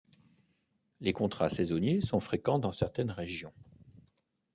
Les contrats saisonniers sont fréquents dans certaines régions.